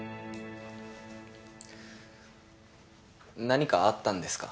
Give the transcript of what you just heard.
何かあったんですか？